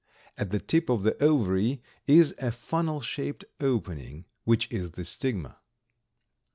At the tip of the ovary is a funnel shaped opening, which is the stigma.